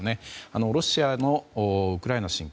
ロシアのウクライナ侵攻